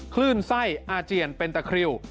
คลื่นไส้อาเจียนเป็นตะคริว